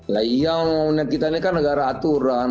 nah iya menurut kita ini kan negara aturan